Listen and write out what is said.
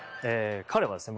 彼はですね